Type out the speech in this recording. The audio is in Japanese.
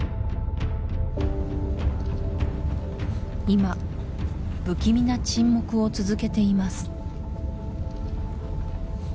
今不気味な沈黙を続けています